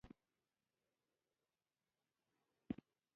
د پښتنو په کلتور کې انسانیت ته درناوی کیږي.